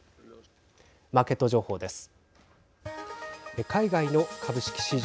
マーケット情報です。